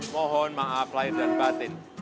mohon maaf lahir dan batin